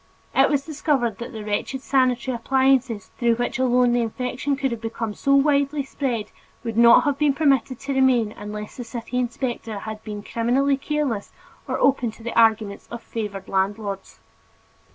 It was discovered that the wretched sanitary appliances through which alone the infection could have become so widely spread, would not have been permitted to remain, unless the city inspector had either been criminally careless or open to the arguments of favored landlords.